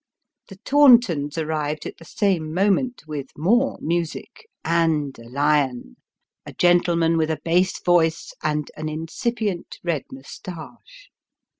The Tauntons arrived at the same moment with more music, and a lion a gentleman with a bass voice and an incipient red moustache.